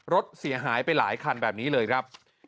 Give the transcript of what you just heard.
รถเสียหายไปหลายคันแบบนี้เลยครับ